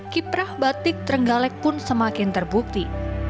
kiprah batik trenggalek pun semakin terbukti